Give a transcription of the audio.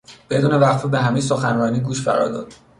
بدون وقفه به همهی سخنرانی گوش فرا داد.